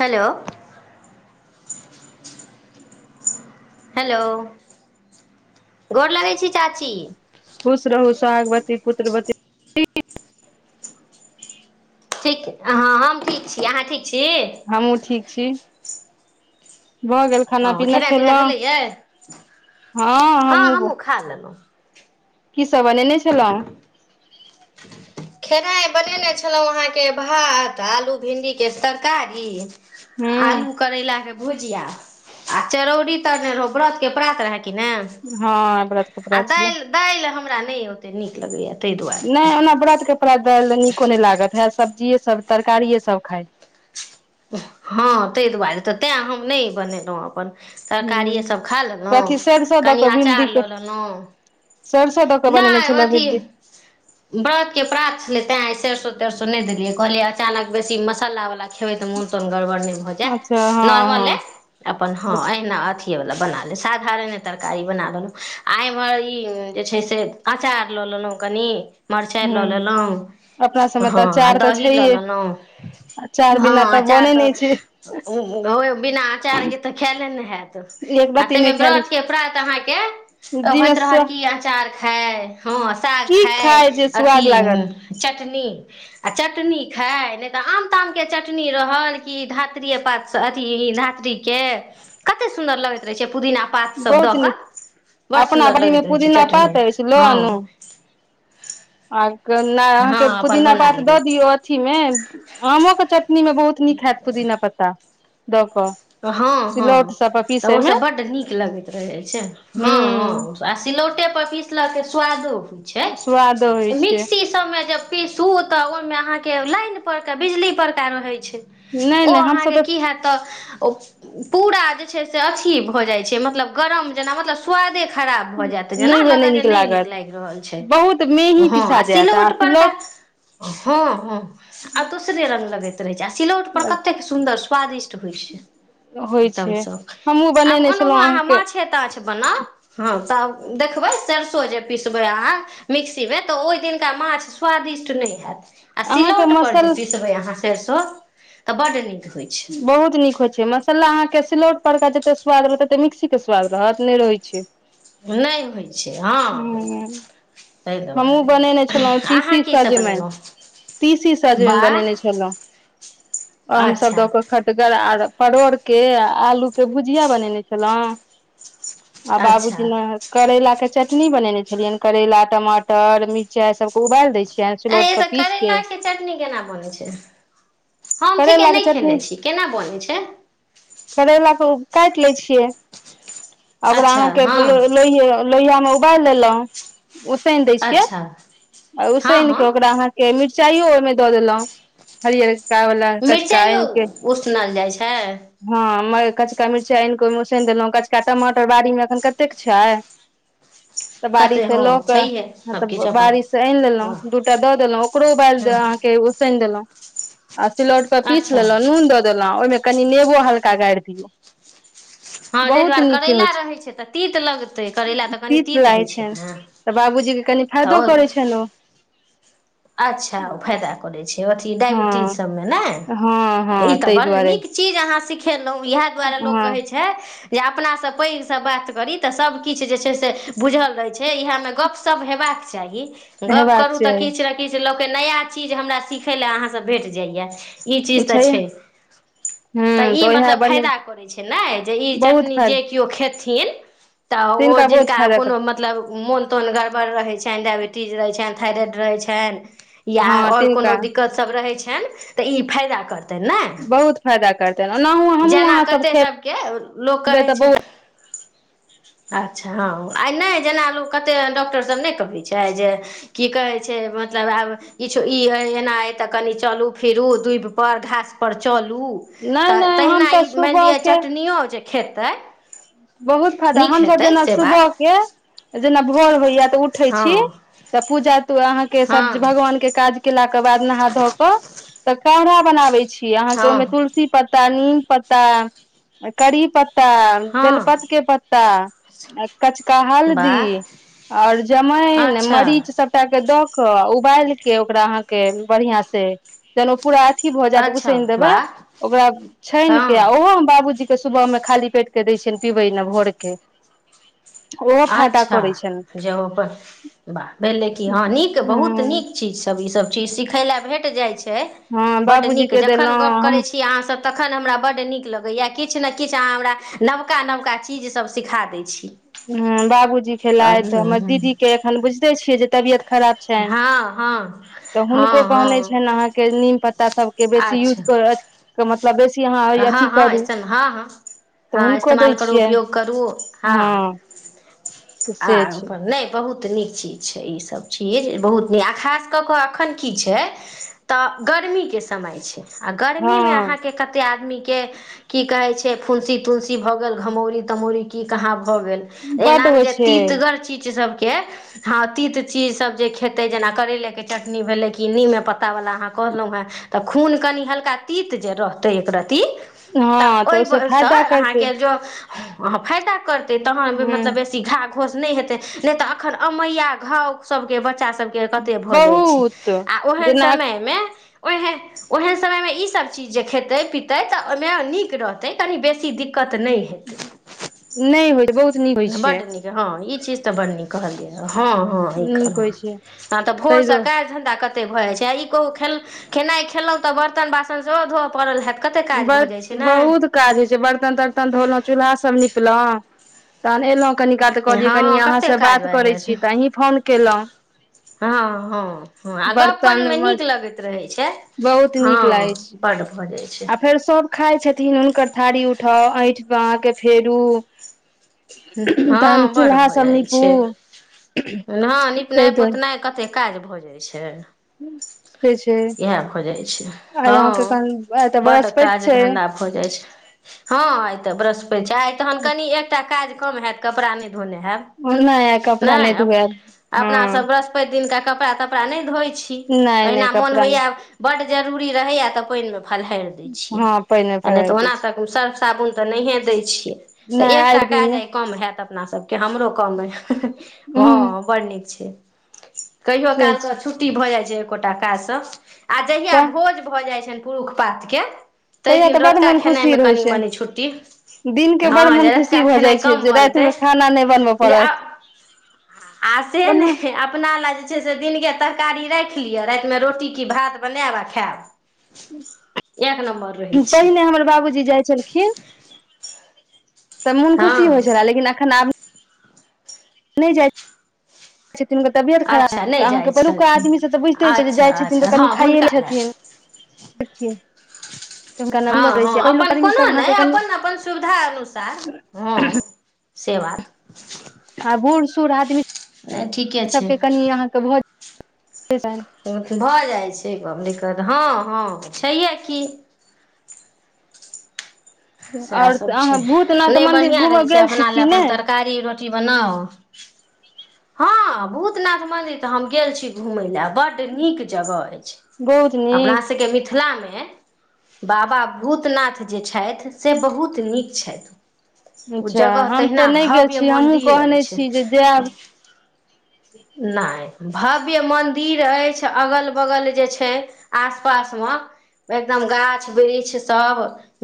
Hello. Hello गोर लगै छी चाची। खुश रहू स्वागवत्ती पुत्रवत्ती ठीक हँ हम ठीक छी अहाँ ठीक छी हमहुँ ठीक छी भऽ गेल खाना हँ पीना खेनाइ खेलउ पिनाइ भेलैयै हँ हमहूँ खा ललौ की सब बनेने छलौ खेनाइ बनेने छलौ अहाँकेँ भात आलू भिण्डी केँ तरकारी हूँ आलू करैला केँ भुज जिया आ चरौरी तरने रहौ व्रत केँ परात रहे की ने हँ व्रत केँ परात छलै दाइल हमरा नहि ओतेक नीक लगैया ताहि दुआरे नहि ओना व्रत केँ परात दाइल नीको नै लागत हैत सब्जिये सब तरकारिये सब खाईत हँ तय दुआरे तऽ तैँ हम नय बनेलऊ अपन तरकारिए हूँ सभ खा ललौ कथी सरिसो कनि अचार लऽ ललौ सब सँ ब नाय अथी व्रत केँ प्रात छले तै आय सरसो तरसो नय देलियै कहलियै अचानक बेसी मसाला वाला खेबै तऽ मोन तन गड़बड़ नय भऽ जाय अच्छा हँ हँ नॉर्मले अपन हँ अहिना अथि अथिये वाला बना ले साधारणे तरकारी बना ललौ आ इम्हर ई जे छै से अचार लऽ ललौ कनि मरचाइ लऽ हूँ ललौ अपना सबमे तऽ हँ आ अचार तऽ दही लऽ छैहे ललौ अचार हँ बिना अचार बनै तऽ नहि छै ओ [unintelligible] बिना अचार केँ तऽ खैले नै हैत एक आ रत्ती नहि ताहिमे खायल होइ व्रत केँ प्रात अहाँकेँ छै जी मे होइत रहत स की अचार खाय हँ साग की खाय जे स्वाद अथि लागत चटनी आ चटनी खाय नय तऽ आम ताम केँ चटनी रहल कि धात्रिए पात सँ अथि धात्री के कते सुंन्दर लगैत रहे छै पुदीना पात सब बहुत द कऽ नीक बड अपना सुंन्दर बाड़ी मे लगैत रहे छै पुदीना चटनी पात अछि लऽ आनू हँ आ केँ नय हँ अहाँकेँ अपन पुदीना बना पात द लियौ दियऔ अथी मे आमो कऽ चटनी मे बहुत बहुत निक हैत पुदिना पत्ता द कऽ हँ सिलौट हँ सब पर तऽ पीसै मे ओसभ बड्ड नीक लगैत रहै छै हँ हँ हूँ आ सिलौटे पर पीसलक केँ स्वादो होइ स्वाद होइ छै छै मिक्सी सब मे जे पीसू तऽ ओहि मे अहाँकेँ लाइन पर का बिजली पर का रहे छै नहि ओ नहि हमसभ अहाँकेँ की हैत तऽ औ पुरा जे छय से अथी भो जाय छै मतलब गरम जेना मतलब स्वादे खराब भऽ जैत नहि जेना नहि लगत जे नय नीक लागत लायग रहल छै बहुत मेही हँ पिसा आ जायत सिलौट पड़का हँ हँ आ दोसरे रंग लगैत रहै छै आ सिलौट पर कतेक सुन्दर स्वादिष्ट होइ छै होइ एकदम छै श ख हमहूँ आ बनेने ओनहुँ छलहुँ अहाँ अहाँके माछे ताछ बनाउ हँ तब देखबै सरिसो जे पिसबै अहाँ मिक्सीमे तऽ ओहि दिनका माछ स्वादिष्ट नय हैत आ अहाँके सिलौट पर जे मसल पिसबे अहाँ सेरसो तऽ बड नीक होई बहुत नीक होयत मसाला अहाँकेँ सिलौट परा जते स्वाद रहत तते मिक्सी केँ स्वाद रहत नय रहे छै नय होइ छै हँ ताहि हमहूँ दुआरे बनेने छलहुँ अहाँ तीसी कीसभ सजमनि। बनेलहुँ तीसी सजमनि वाह बनेने छलौ आम सब अच्छा द क। खटगर आर परोड़के आलू के भुजिया बनेने छलौ। आ अच्छा बाबूजी नहैत करैला के चटनी बनेने छिलियनि करेला टमाटर मिरचाई सबके उबाल देय छि। आय यै त करेलाके चटनी केना बनै छैय हम ठीके नहि खे ने छी केना बनै छैय? करैलाके काटि लै छियै आ ओकरा अच्छा अहाँके हँ लौ लौयामें उबली देलहु उसैन दै छियै अच्छा आ हँ हँ उसैनके ओकरा अहां मिरचाइयो ओहिमे दऽ देलहुं हरियरका वला कचका मिरचाइयो आयन उसनल जाइ छैय? हँ कचका मिर्चाइ आनि कऽ ओहिमे उसनि देलहुँ कचका टमाटर बाड़ीमे एखन कतेक छैय। तऽ बाड़ी कहतै से हँ ल क छैहे हँ तऽ सबकिछु अपन बारि सँ आयन लेलौ हँ दू टा दऽ देलौ ओकरो उबायिल द अहां के ऊसैन देलौ आ सिलौट पर पिस अच्छा सुन दऽ देलहु ओहिमे कनि नेबो हल्का गारि दियौ। ह हँ ताहि बहुत दुआरे नीक करैला होइ छै रहैत छैय तऽ तीत लगतै करैला तऽ कनि तीत लागै होइत छैय छै न। तऽ बाबूजी के कनी फायदो करै छैन ओ। अच्छा फायदा करय छैय अथी हँ डायविटीज सबमें ने हँ ई हँ त ताहि बड्ड दुआरे नीक चीज आहां सिखेलहु यहे दुआरे लोक हँ कहै छैय जे अपनासँ पैघसँ बात करी तऽ सब किछ जे छैय से बुझल रहय छैय इहेमे गप सप हेबाक चाही गप हेबाक करू तऽ चाही किछ किछ लके नया चीज हमरा सिखय ला आहां से भेट जाय या ई चीज त बुझैया छैय। तऽ हूँ ई उएह मतलब बने फायदा करै छैय ने जे ई बहुत चटनी फायदा जे केव खेथिन त ओ तिनका बहुत जिनका फायदा कर मतलब मोन तोन गड़बड़ रहै छनि डायइबिटीज रहै छनि थाइरइड रहै छनि। या हँ आओर कोनो तिनका दिक्कत सब रहय छनि तऽ ई फायदा करत। ने बहुत फायदा करतनि ओनाहु हमहूँ जेना अहाँसभ कते सबके लोक खेबै कहै तऽ छैय बहुत अच्छा हँ आइ नहि जेना लोक कतेक डॉक्टरसभ नहि कहबै छैय जे की कहै छैय से मतलब आब किछु ई अइ एना अइ तऽ कनि चलू फिरू दूबिपर घास पर चलू। नहि तऽ नहि हम तहिना तऽ ई मानि लिअ सुबहके चटनिओ जे खेतै बहुत फायदा नीक हमसभ हेतै जेना से सुबह बात के जेना भोर होइया तऽ उ हँ तऽ पूजा तू अहाँके सब हँ भगवानके काज केलाके बादमें नहा धऽ कऽ तऽ काढ़ा बनाबे छी अहाँके हँ ओहिमे तुलसी पत्त तन पता करी पत्ता हँ बेलपतके पत्ता आ कचका हल्दी वाह आऔर जमाइन अच्छा मरीच सब टाके दऽ कऽ उबायलके ओकरा अहाँके बढ़ियां से जहन पूरा अथी भऽ जायत अच्छा उसनि देबै वाह ओकरा हँ छानिके आ ओहो हम बाबूजी के सुबहमे खाली पेट के दै छियनि पीबै ला भोरके। अच्छा जहो अपन ह भेलै कि हँ नीक बहुत ह नीक जी सब ई सब चीज सिखय ल भेट जाइ छै हँ बड बाबूजी नीक के जखन देलहुँ गप करय हम छी अहाँ सब तखन हमरा बड्ड नीक लगैया किछु ने किछु अहाँ हमरा नवका नवका चीजसभ सिखा दै छी ह बाबूजी तऽ खेलथि हमर दीदीके एखन बुझिते छियै जे तबियत खराब छनि हँ हँ तऽ हँ हुनको कहने हँ छनि अहाँके नीम पत्ता सभके बेसी यूज अच्छा कर के मतलब बेसी अहाँ हँ अथी हँ करू इस्तेम हँ हँ तऽ हँ हुनको इस्तेमाल दै करू छियनि उपयोग करू हँ तऽ आ से छै अपन नहि बहुत नीक चीज छै ई सब चीज बहुत नीक आ खास कऽ कऽ एखन की छै तऽ गर्मीके समय छै आ हँ गर्मीमे अहाँके कतेक आदमीके की कहै छै फुंसी तुन्सी भऽ गेल घमौरी तमौरी की कहाँ भऽ गेल बड्ड एनामे होइ जे छै तीतगर चीज सबके हँ अ तीत चीजसभ जे खेतै जेना करैलेके चटनी भेलै की नीमे पत्ता वला अहाँ कहलहु हे तऽ खून कनि हल्का तीत जे रहतै एकरत्ती तऽ हँ ओहिसँ ओय सँ फायदा करतै अहाँके जों अहाँ फायदा करतै तहाँ ह मतलब बेसी घा घोस नहि हेतै नहि तऽ एखन अमैया घाव सबके बच्चा सबके के कते भऽ जाई छै बहुत आ ओहन जेना समयमे ओह ओहन समयमे ई सब चीज जे खेत खेते पिते तऽ ओय मे नीक रहते तनी बेसी दिक्कत नहि नहि होय बहुत नीक होइ बड छै नीक हँ ई चीज तऽ बड नीक कहलियै हँ हँ ई कहल नीक ह होइ छै तऽ ताहि भोरसँ दुआरे काज धंधा क कते भऽ जाइ छै आ ई कहू खेनाई खेलहुँ तऽ बर्तन बासन सेहो धोऽ पड़ल हेत कते काज भऽ जाइ छै बड़ ने बहुत काज होइ छै बर्तन तर्तन धोलहुं चूल्हा सब निपलहुँ तहन एलहुं कनि कात कहलियै कनि हँ कते अहाँसँ काज बात भए करै जाइ छै छी तऽ अहीं फोन केलहुँ हँ हँ हँ आ गप बर्तन करयमे नीक लगैत रहैत छै बहुत नीक हँ लागै छै बड्ड भऽ जाइ छै आ फेर सब खाय छथिन हुनकर थारी उठाउ ऐठ अहांके फेरू तहन हँ बड चूल्हा भऽ सब जाइत नीपू छै ह निपनाय ताहि दुआरे पोतनाई कत कते काज भऽ जाई छै से छै इएह भ जाई छै आइ हँ अहाँके तऽ बड बृहस्पति काज धंधा छै भ जाय छै हँ आय त वृहस्पति छै आय त कनि हम एकटा काज कम हैत कपड़ा नय धोने हेब नहि कपड़ा नहि नय धुएब अपना हँ सब वृहस्पि वृहस्पति दिन त कपड़ा तपड़ा नहि धोइ छी नहि नहि अहिना मोन कपड़ा होइया बड्ड जरूरी रहैया तऽ पानिमे फलहारि दै छियै हँ पानि मे आ नहि तऽ भरार दै ओना छै तऽ सर्फ साबुन त नहि दै छियै नहि आइ एकटा दिन काज मे आई कम हैत अपना सब हमरो ह हँ बड नीक छै कहियो से काल के छै छुट्टी भए जाइ छै एकोटा काज से आ जहिया तऽ भोज भए जाइ छनि पुरुख पातके ताहि तहिया दिन तऽ बड रतुका मोन खुशी खेनाईमे रहै कनि छै मने छुट्टी दिन के बड़ हँ मोन जे खुशी रतुका भऽ खेनाई जाइ छै कम जे राति बनतै मे खाना नहि बनबय जे पड़त आ से ओना ने अपना ले जे छै से दिनके तरकारी राखि लिअ रातिमे रोटी की भात बनायब आ खायब एक नम्बर रहै छै पहिने हमर बाबूजी जाई छलखिन कि मुन खुशी हँ होइ छला नहि जा। [inaudible] छथिन हुनकर तबियत खराब अच्छा तऽ नहि जाइ अहाँकेँ पड़ुकके छथिन आदीसभ तऽ बुझिते छयै जे अच्छा जाई छथिन अच्छा तऽ कनि हँ खाईए हुनका ल लए छथिन देखछिय। ह, ह अपन कोनो नहि अहाँके कनि अपन अपन सुविधा अनुसार ह से बात आ बूढ़ सूढ़ आदमी नहि ठीके छै सभके कनि अहाँकेँ भऽ जात भऽ जाइ छै, दिक्कत हँ हँ छैहे कि सएह आओर सभ छै अहाँ भूतनाथ नहि मन्दिर बढ़िआँ घूमय रहै छै गेल छी अपना कि लए अपन नहि तरकारी रोटी बनाउ हँ भूतनाथ मंदिर तऽ हम गेल छी घूमय लए बड़ बड्ड नीक जगह अछि बहुत अपना नीक सभके मिथिलामे बाबा भूतनाथ जे छथि से बहुत नीक छथि। ओ अच्छा जगह हम तहिना तऽ नहि गेल भव्य छी हमहूँ मन्दिर कहने अछि। छी जे जायब ना भव्य मन्दिर अछि अगल बगल जे छै। आस पास मे एकदम गाछ वृक्ष सभ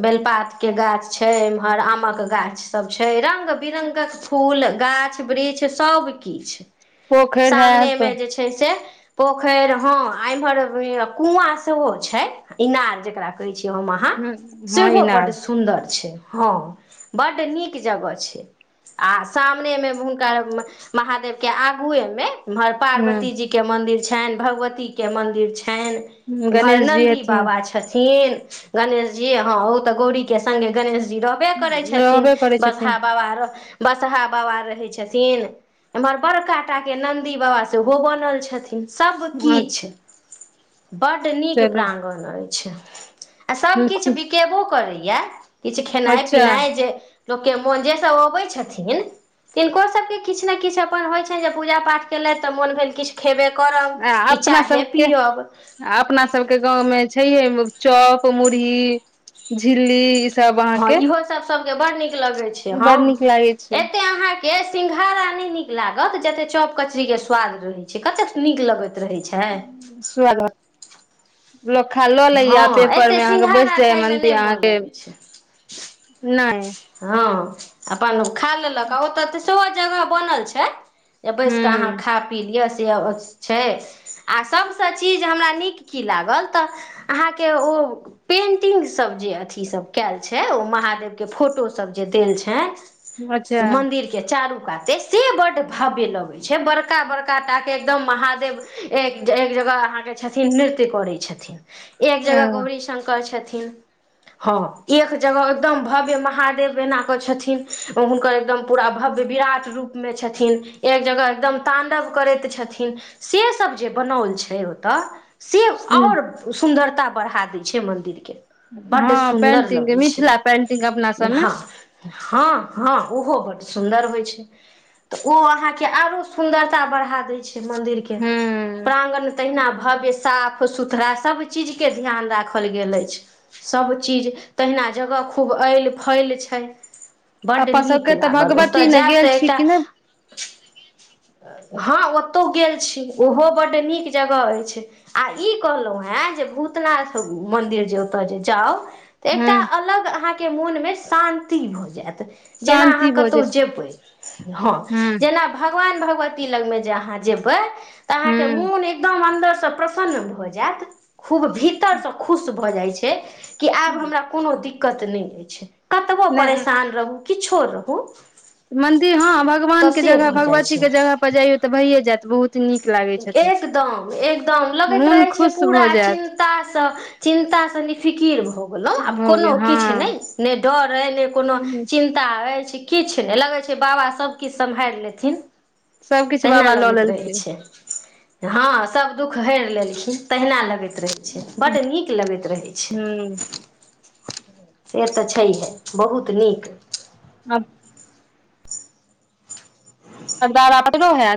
बेलपात के गाछ छै एम्हर आमक गाछ सभ छै रंग बिरंग फूल गाछ वृक्ष सभ किछु पोखरि सामने हैत मे जे छै से पोखरि हँ इम्हर कुआँ सेहो छै इनार जकरा। अहा ह हँ सेहो इनार ब सुन्दर छै हँ बड़ नीक जगह छै आ सामनेमे हुनका महादेव के आगुएमे ह पार्वतीजी के मन्दिर छैन भगवतीके मन्दिर छैन एम्हर गणेश जी नन्दी हथिन बाबा छथिन। गणेश जी हा ते गौरी के संगे गणेश जी र करबे करै छथिन रहबे करै बसहा छथिन बाबा बसहा बाबा रहै छथिन एम्हर बड़काटा के नन्दी बाबा सेहो बनल छथिन सभ अच्छा किछु बड़ नीक प्राङ्गण अछि आ सभकिछु चलू बिकेबो करैए किछु खेनाइ अच्छा पिनाइ जे। लोक के मोन जे सभ अबे छथिन तिनको सभके किछु ने किछु अपन होइत छैनि जे पूजा पाठ केलथि तऽ मोन भेल किछु। खेबे करब आ कि अपना चाहे सबके पियब अपना सभके गाव मे छैहे चक मुुरही झिल्ली सब हँ अहाँके इहो सभ सभके बड़ नीक लगे छै ह बड़ नीक लागै छै एते अहा के सिंघाड़ा नहि नीक लागत जतेक चॉप कचरी के स्वाद रहैत छै कतेक नीक लगैत रहैत छै। सुवागत। लोक खा लऽ लैए हँ एते पेपरमे अहाँकेँ बैस सिंघाड़ा जाइए खायमे मनद नहि मोन अहाँकेँ लगै नहि। ह अपन ओ खा लेलक आ ओतऽ तऽ सेहो जगह बनल छै। जे बैस कऽ हूं अहाँ खा पी लिआ से छै आ सभसँ चीज हमरा नीक कि लागल तऽ अहाँकेँ ओ पेंटिंगसभ जे अथी सभ कयल छै ओ महादेव के फोटो सभ जे देल छै, से अच्छा मन्दिर के चारू काते से बड़ भाव्य लऽ अगै छै बड़का बड़का टाके एकदम महादेव एक एक जगह अहाँकेँ छथिन नृत्य करै छथिन एक जगह हँ गौरी शंकर छथिन हँ एक जगह एकदम भव्य महादेव एना क छथिन हुनकर एकदम पूरा भव्य विराट रूप मे छथिन एक जगह एकदम तांडव करैत छथिन से सब जे बनल छै ओतय से हू [inaudible] आओर सुन्दरता बढ़ा दै छै मंदिर के बड सुन्दर पेंटिंग लगै छै मिथिला पेंटिंग अप [unintelligible] हँ हँ हँ ओहो बड्ड सुन्दर होइ छै ओ अहाँ के आरो सुंदरता बढ़ा दे छै मंदिर के हूं प्रांगण तहिना भव्य साफ साफ सुथड़ा सभ चीजके ध्यान राखल गेल अछि सभचीज तहिना जगह खूब ऐल फैल छै बड्ड अपन नीक सबके तऽ लागल भगवती ओतय ने जायब गेल तऽ छी एकटा कि नहि हँ ओतोहु गेल छी ओहो बड्ड नीक जगह अछि आ ई कहलहुँ हेँ जे भूतनाथ मन्दिर जे ओतय जे जाउ एकटा हूं अलग अहाँके मोनमे शान्ति भऽ जायत जेना शान्ति अहाँ भोजै कतहु छै जेबै हँ हूं जेना भगवान भगवती लग मे जे अहाँ जेबे ते अहाँ के हूं मोन एकदम अंन्दर से प्रसन्न भए जात खूब भीतरसँ खुश भऽ जाइ छै कि आब हमरा कोनो दिक दिक्कत नहि रहै छै कतबो नहि परेशान रहू किछो रहू मंन्दिर हँ तऽ भगवान के से जगह भऽ जाइ भगवतीक छै के जगह पर जइयौ तऽ भाइए जायत बहुत नीक लागै छथिन एकदम एकदम लगैत मोन रहैत छै खुश पूरा भऽ चिन जायत चिन्तास निफिकिर भऽ गेलहुँ आब भऽ कोनो गेल किछु हँ नहि नहि डर अइ नहि कोनो चिन्- ता अछि किछु नहि लगै छै बाबा सब किछु सम्हार लेथिन सबकिछु तहिना बाबा लऽ लगैत रहै लेलखिन छै हँ सब दुख हेर लेलखिन तहिना लगैत रहे छै बड नीक लगैत रहै छै हूं से त छैहे बहुत निक हँ सरदारा [unintelligible] पटलो होय